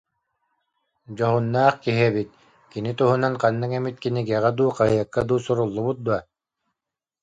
Дьоһуннаах киһи эбит. Кини туһунан ханнык эмит кинигэҕэ дуу, хаһыакка дуу суруллубут дуо?